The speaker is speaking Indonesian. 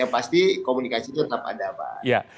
pasti komunikasi itu tetap ada pak